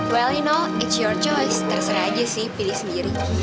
well rino it's your choice terserah aja sih pilih sendiri